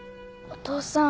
お父さん。